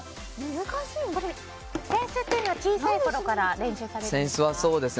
扇子は小さいころから練習されるんですか？